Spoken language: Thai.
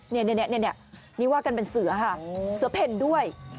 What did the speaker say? นี่ว่ากันเป็นเสือค่ะเสือเพ่นด้วย